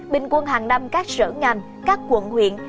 bình quân hàng năm các sở ngành các quận huyện